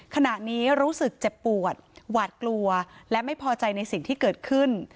ขณะนี้รู้สึกเจ็บปวดหวาดกลัวและไม่พอใจในสิ่งที่เกิดขึ้น